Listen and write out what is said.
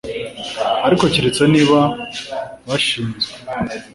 ariko keretse niba bashinzwe